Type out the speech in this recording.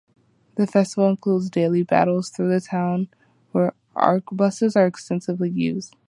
The festival includes daily "battles" through the town, where arquebuses are extensively used.